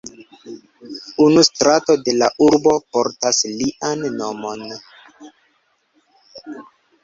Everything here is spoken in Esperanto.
Unu strato de la urbo portas lian nomon.